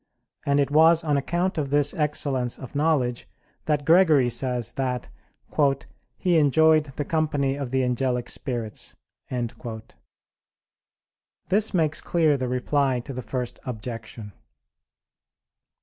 And it was on account of this excellence of knowledge that Gregory says that "he enjoyed the company of the angelic spirits." This makes clear the reply to the first objection.